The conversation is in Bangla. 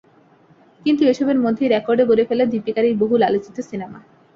কিন্তু এসবের মধ্যেই রেকর্ডও গড়ে ফেলল দীপিকার এই বহুল আলোচিত সিনেমা।